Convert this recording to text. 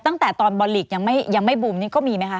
ตั้งแต่ตอนบอลลีกยังไม่บูมนี่ก็มีไหมคะ